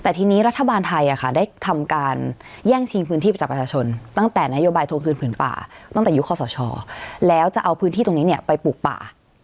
แต่ทีนี้รัฐบาลไทยได้ทำการแย่งชิงพื้นที่ไปจากประชาชนตั้งแต่นโยบายทวงคืนผืนป่าตั้งแต่ยุคคอสชแล้วจะเอาพื้นที่ตรงนี้ไปปลูกป่า